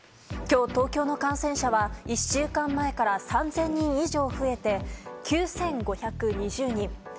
今日東京の感染者は１週間前から３０００人以上増え９５２０人。